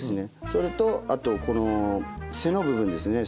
それとあとこの背の部分ですね